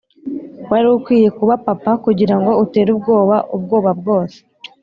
wari ukwiye kuba papa kugirango utere ubwoba ubwoba bwose.